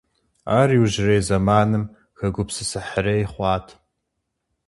Ар иужьрей зэманым хэгупсысыхьрей хъуат.